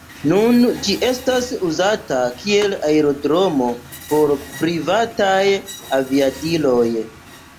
Nun ĝi estas uzata kiel aerodromo por privataj aviadiloj.